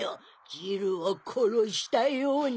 ジルを殺したように。